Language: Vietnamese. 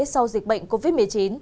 sau dịch bệnh covid một mươi chín